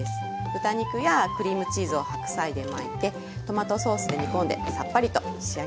豚肉やクリームチーズを白菜で巻いてトマトソースで煮込んでさっぱりと仕上げています。